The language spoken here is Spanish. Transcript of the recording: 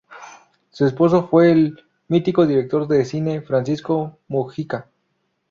Su esposo fue el mítico director de cine Francisco Mugica.